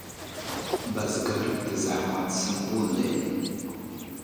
بزګر د زحمت سمبول دی